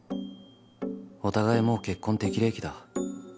お互いもう結婚適齢期だ。